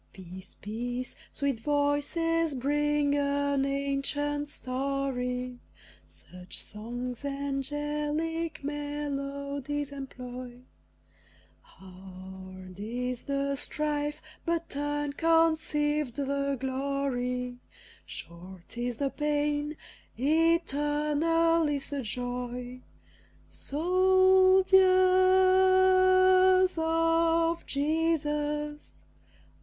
Peace! peace! sweet voices bring an ancient story, (Such songs angelic melodies employ,) "Hard is the strife, but unconceived the glory: Short is the pain, eternal is the joy." Soldiers of Jesus!